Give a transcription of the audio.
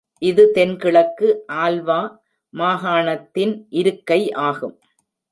இது தென்கிழக்கு ஆல்வா, மாகாணத்தின் இருக்கை ஆகும்.